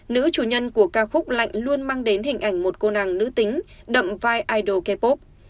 nữ chủ nhân của ca khúc lạnh luôn mang đến hình ảnh một cô nàng nữ tính đậm vai idol k pop